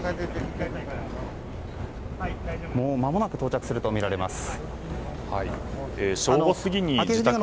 もうまもなく到着するとみられます。